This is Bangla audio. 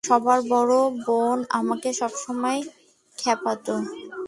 সবার বড় বোন আমাকে সবসময় ক্ষ্যাপাতো।